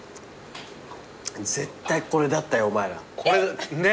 絶対これだったよお前ら。これね。